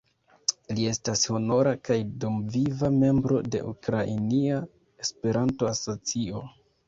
Li estas honora kaj dumviva membro de Ukrainia Esperanto-Asocio.